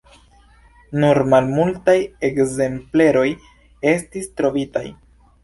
Nur malmultaj ekzempleroj estis trovitaj.